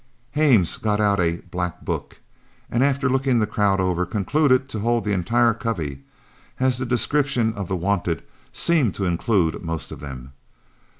Hames got out a "black book," and after looking the crowd over concluded to hold the entire covey, as the descriptions of the "wanted" seemed to include most of them.